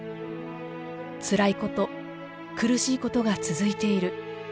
つらいこと、苦しいことが続いている。